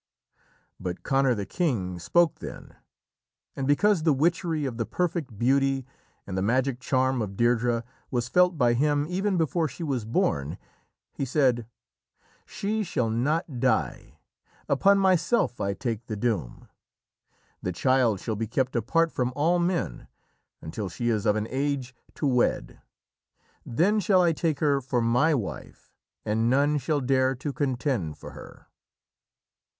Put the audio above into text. But Conor, the king, spoke then, and because the witchery of the perfect beauty and the magic charm of Deirdrê was felt by him even before she was born, he said: "She shall not die. Upon myself I take the doom. The child shall be kept apart from all men until she is of an age to wed. Then shall I take her for my wife, and none shall dare to contend for her."